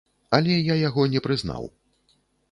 Але я яго не прызнаў.